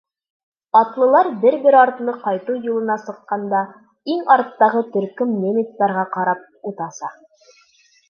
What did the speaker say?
Атлылар бер-бер артлы ҡайтыу юлына сыҡҡанда, иң арттағы төркөм немецтарға ҡарап ут аса.